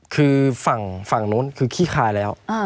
คือฝั่งนู้นคือขี้คายแล้ว